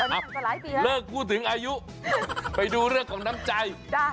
น่าจะหลายปีแล้วเลิกพูดถึงอายุไปดูเรื่องของน้ำใจจ้ะ